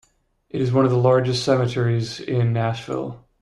It is one of the largest cemeteries in Nashville.